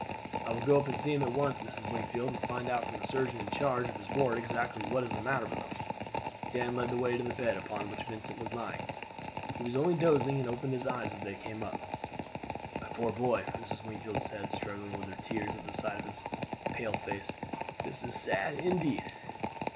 "I will go up and see him at once, Mrs. Wingfield, and find out from the surgeon in charge of his ward exactly what is the matter with him." Dan led the way to the bed upon which Vincent was lying. He was only dozing, and opened his eyes as they came up. "My poor boy," Mrs. Wingfield said, struggling with her tears at the sight of his pale face, "this is sad indeed."